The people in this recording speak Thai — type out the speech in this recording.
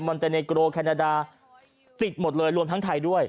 อเตอร์เนโกรแคนาดาติดหมดเลยรวมทั้งไทยด้วย